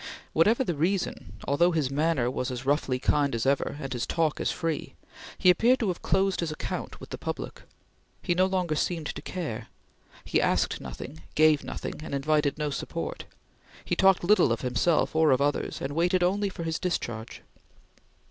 Whatever the reason, although his manner was as roughly kind as ever, and his talk as free, he appeared to have closed his account with the public; he no longer seemed to care; he asked nothing, gave nothing, and invited no support; he talked little of himself or of others, and waited only for his discharge.